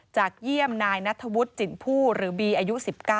จากเยี่ยมนายนัทธวุฒิจินผู้หรือบีอายุ๑๙